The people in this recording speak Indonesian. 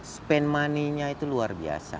spend money nya itu luar biasa